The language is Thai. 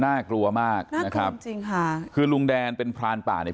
น่ากลัวมากนะครับจริงจริงค่ะคือลุงแดนเป็นพรานป่าเนี่ย